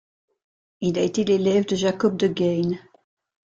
Il a été l'élève de Jacob De Gheyn.